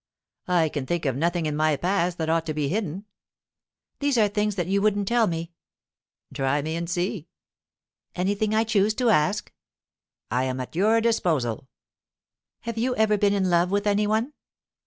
'I can think of nothing in my past that ought to be hidden.' 'These are things that you wouldn't tell me.' 'Try me and see.' 'Anything I choose to ask?' 'I am at your disposal.' 'Have you ever been in love with any one?